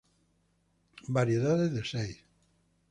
Variedades de seis